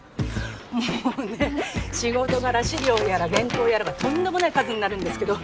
もうね仕事柄資料やら原稿やらがとんでもない数になるんですけど。